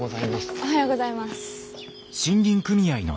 おはようございます。